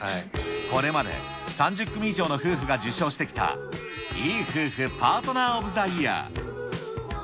これまで、３０組以上の夫婦が受賞してきたいい夫婦パートナー・オブ・ザ・イヤー。